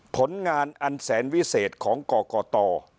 ผลงานอันแสนวิเศษของก่อก่อต่อ